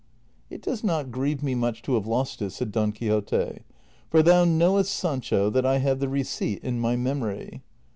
" It does not grieve me much to have lost it," said Don Quixote, " for thou knowest, Sancho, that I have the receipt in my memory."